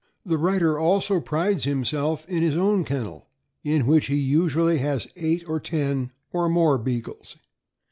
The writer also prides him self in his own kennel, in which he usually has eight or ten or more Beagles.